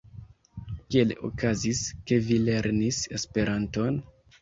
Kiel okazis, ke vi lernis Esperanton?